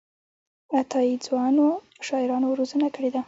عطاييد ځوانو شاعرانو روزنه کړې ده.